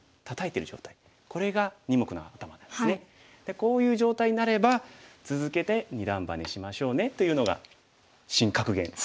こういう状態になれば続けて二段バネしましょうねというのが新格言です。